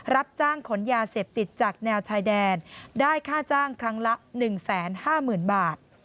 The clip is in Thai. รับจ้างขนยาเสพติดจากแนวชายแดนได้ค่าจ้างครั้งละหนึ่งแสนห้าหมื่นบาท